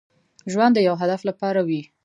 ژوند د يو هدف لپاره وي.